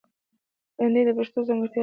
لندۍ د پښتو ځانګړتیا ده